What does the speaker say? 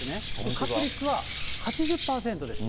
確率は８０％です。